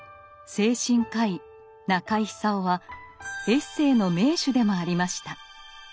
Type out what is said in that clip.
精神科医中井久夫はエッセイの名手でもありました。